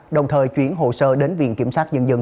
đồng thời chuyển hồ sơ đến viện kiểm sát nhân dân